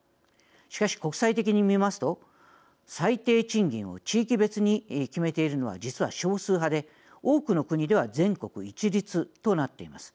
しかし国際的に見ますと最低賃金を地域別に決めているのは実は少数派で多くの国では全国一律となっています。